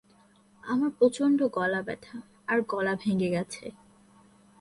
আমার প্রচন্ড গলা ব্যথা আর গলা ভেঙ্গে গেছে।